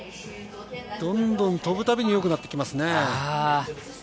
どんどん飛ぶたびに良くなってきますね。